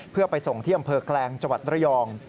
เพื่อไปส่งที่อำเภอแกลงจังหวัดระยอง